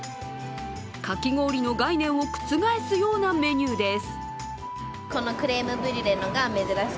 かき氷の概念を覆すようなメニューです。